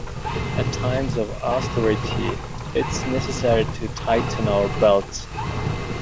At times of austerity, it's necessary to tighten our belts.